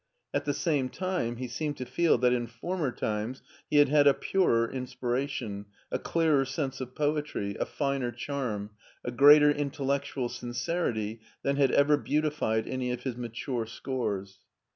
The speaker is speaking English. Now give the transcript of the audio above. At the same time he seemed to feel that in former times he had had a purer inspiration, a clearer sense of poetry, a finer charm, a greater intellectual sincerity than had ever beautified any of his mature scores.